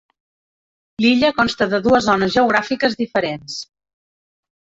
L'illa consta de dues zones geogràfiques diferents.